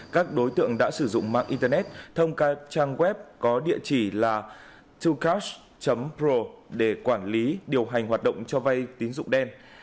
các trang web có địa chỉ là hai cash pro để quản lý điều hành hoạt động cho vay tín dụng đen